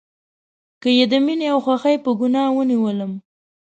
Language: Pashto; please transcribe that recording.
که یې د میینې او خوښۍ په ګناه ونیولم